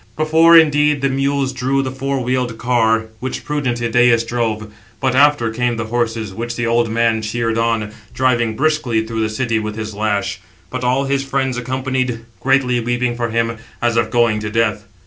Before, indeed, the mules drew the four wheeled car, which prudent Idæus drove; but after [came] the horses, which the old man cheered on, driving briskly through the city with his lash; but all his friends accompanied, greatly weeping for him, as if going to death.